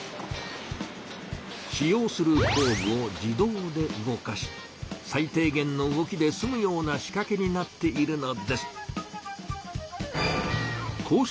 使用する工具を自動で動かし最低げんの動きですむような仕掛けになっているのです。